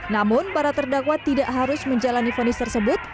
namun para terdakwa tidak harus menjalani fonis tersebut